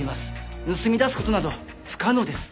盗み出す事など不可能です。